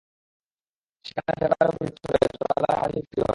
সেখানে ফ্লেভারের ওপর ভিত্তি করে চড়া দামের হাওয়াই মিঠাই বিক্রি হয়।